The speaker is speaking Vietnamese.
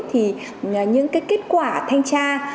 thì những cái kết quả thanh tra